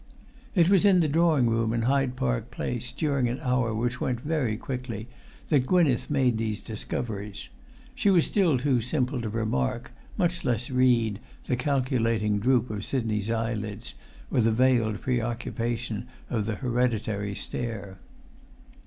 It was in the drawing room in Hyde Park Place, during an hour which went very quickly, that Gwynneth made these discoveries; she was still too simple to remark, much less read, the calculating droop of Sidney's eyelids or the veiled preoccupation of the hereditary stare.